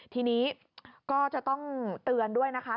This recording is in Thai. ทีนี้ก็จะต้องเตือนด้วยนะคะ